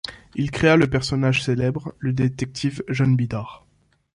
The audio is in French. Il créa le personnage célèbre, le détective Jon Bidart.